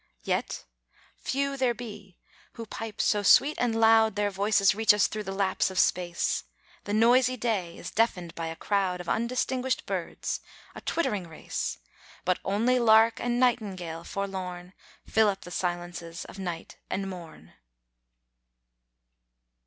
Yet, few there be who pipe so sweet and loud Their voices reach us through the lapse of space: The noisy day is deafen'd by a crowd Of undistinguished birds, a twittering race; But only lark and nightingale forlorn Fill up the silences of night and morn.